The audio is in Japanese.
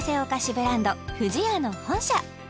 ブランド不二家の本社